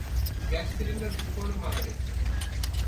Gas cylinder বিস্ফোরণে মারা গেছে।